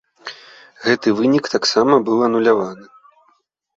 Гэты вынік таксама быў ануляваны.